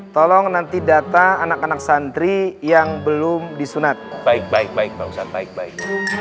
tolong nanti data anak anak santri yang belum disunat baik baik baik pak ustadz baik